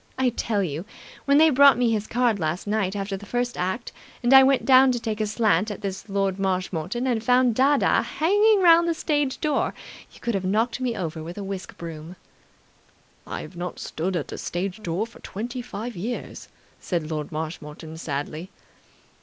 I tell you, when they brought me his card last night after the first act and I went down to take a slant at this Lord Marshmoreton and found dadda hanging round the stage door, you could have knocked me over with a whisk broom." "I have not stood at the stage door for twenty five years," said Lord Marshmoreton sadly.